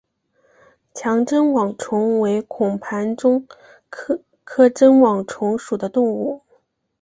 强针网虫为孔盘虫科针网虫属的动物。